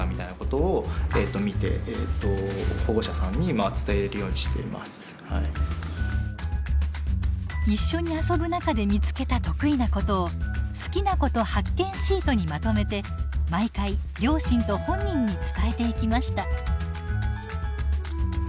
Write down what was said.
そういう例えばＲくんに関しては一緒に遊ぶ中で見つけた得意なことを「好きなこと発見シート」にまとめて毎回両親と本人に伝えていきました。